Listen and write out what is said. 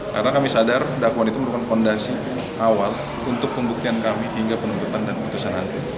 karena kami sadar dakwaan itu merupakan fondasi awal untuk pembuktian kami hingga penuntutan dan keputusan nanti